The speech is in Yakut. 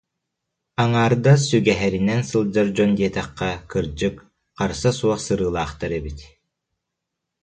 Аҥаардас сүгэһэринэн сылдьар дьон диэтэххэ, кырдьык, харса суох сырыылаахтар эбит